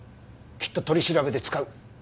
きっと取り調べで使う。